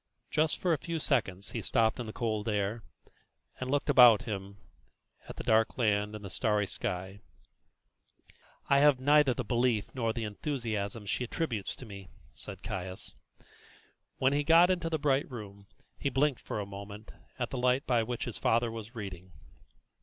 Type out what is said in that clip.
Just for a few seconds he stopped in the cold air, and looked about him at the dark land and the starry sky. "I have now neither the belief nor the enthusiasm she attributes to me," said Caius. When he got into the bright room he blinked for a moment at the light by which his father was reading.